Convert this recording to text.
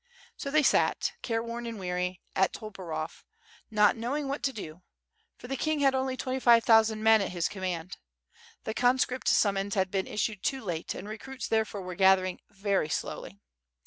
So they sat, careworn and weary, at Toporov not knowing what to do, for the king had only twenty five thousand men at his command. The conscript summons had been issued too late, and recruits therefore were gathering very slowly.